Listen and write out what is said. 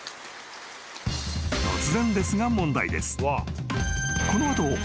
［突然ですが問題です］